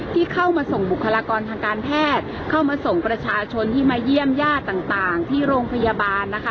ที่เข้ามาส่งบุคลากรทางการแพทย์เข้ามาส่งประชาชนที่มาเยี่ยมญาติต่างที่โรงพยาบาลนะคะ